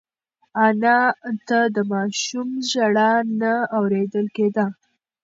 انا ته د ماشوم ژړا نه اورېدل کېده.